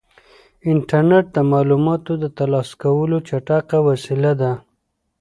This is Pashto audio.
انټرنيټ د معلوماتو د ترلاسه کولو چټکه وسیله ده.